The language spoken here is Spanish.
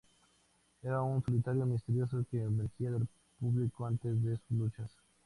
Era un solitario misterioso que emergía del público antes de sus luchas.